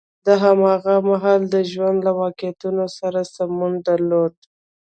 د هماغه مهال د ژوند له واقعیتونو سره سمون درلود.